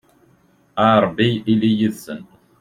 a rebbi ili yid-sen